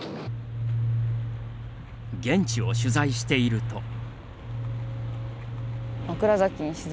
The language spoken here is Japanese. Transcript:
現地を取材していると。